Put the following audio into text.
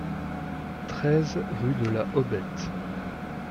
treize rue de la Hobette